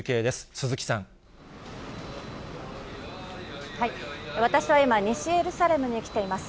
鈴木さ私は今、西エルサレムに来ています。